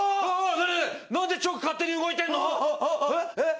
何でチョーク勝手に動いてんの？